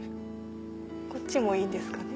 こっちもいいですかね。